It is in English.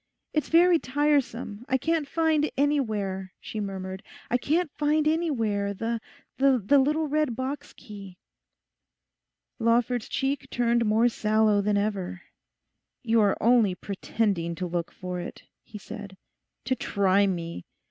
'It's very tiresome, I can't find anywhere,' she murmured, 'I can't find anywhere the—the little red box key.' Lawford's cheek turned more sallow than ever. 'You are only pretending to look for it,' he said, 'to try me.